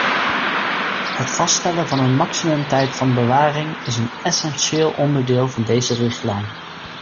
Het vaststellen van een maximumtijd van bewaring is een essentieel onderdeel van deze richtlijn.